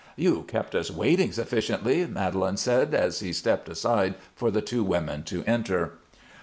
"You kept us waiting sufficiently," Madelon said, as he stepped aside for the two women to enter.